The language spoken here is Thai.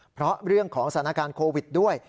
เพราะเรื่องของสถานการณ์โควิดด้วย